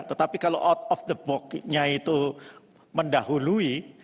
tetapi kalau out of the box nya itu mendahului